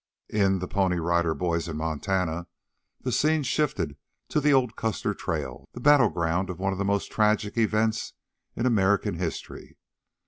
In "THE PONY RIDER BOYS IN MONTANA," the scene shifted to the old Custer Trail, the battle ground of one of the most tragic events in American history.